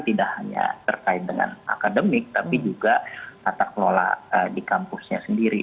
tidak hanya terkait dengan akademik tapi juga tata kelola di kampusnya sendiri